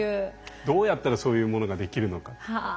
どうやったらそういうものができるのか。